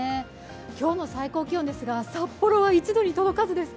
今日の最高気温ですが札幌は１度に届かずですか。